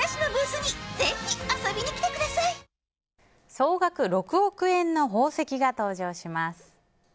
総額６億円の宝石が登場します。